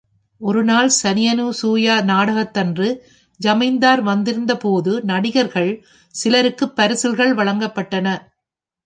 ஒருநாள் சதியனுசூயா நாடகத்தன்று ஜமீன்தார் வந்திருந்த பொது நடிகர்கள் சிலருக்குப் பரிசுகள் வழங்கப்பட்டன.